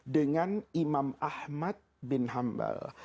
dengan imam ahmad bin hambal